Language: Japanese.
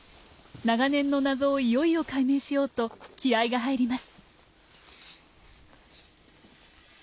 長年の謎をいよいよ解明しようと気合いが入ります。